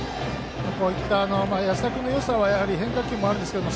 安田君のよさは変化球もあるんですけど